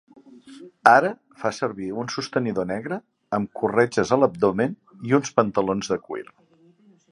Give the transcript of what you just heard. Ara fa servir un sostenidor negre amb corretges a l'abdomen i uns pantalons de cuir.